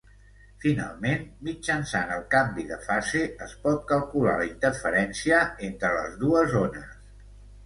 Finalment, mitjançant el canvi de fase, es pot calcular la interferència entre les dues ones.